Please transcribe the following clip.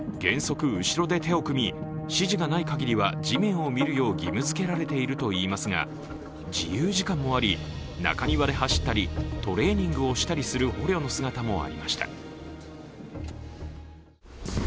原則後ろで手を組み、指示がないかぎりは地面を見るよう義務づけられているといいますが自由時間もあり、中庭で走ったりトレーニングをしたりする捕虜の姿もありました。